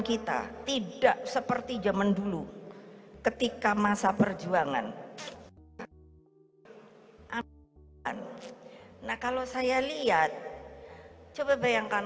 kita tidak seperti zaman dulu ketika masa perjuangan aman nah kalau saya lihat coba bayangkan